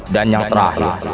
dan yang terakhir